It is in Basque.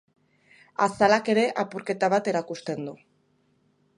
Azalak ere apurketa bat erakusten du.